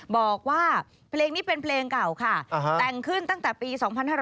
บอกว่าเพลงนี้เป็นเพลงเก่าค่ะแต่งขึ้นตั้งแต่ปี๒๕๕๙